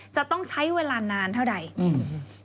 จะต้องใช้เวลานานเท่าใดอืม